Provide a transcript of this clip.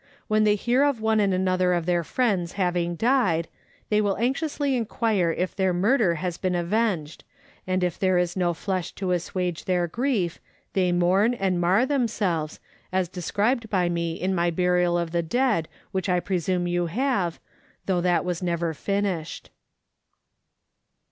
When they hear of one and another of their friends having died, they will anxiously inquire if their murder has been avenged, and if there is no flesh to assuage their grief they mourn and mar themselves, as described by me in my burial of the dead which I presume you have, though that was never finished.